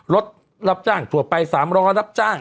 รถรับจ้างทั่วไป๓ล้อรับจ้าง